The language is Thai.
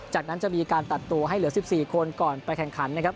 จากนั้นจะมีการตัดตัวให้เหลือ๑๔คนก่อนไปแข่งขันนะครับ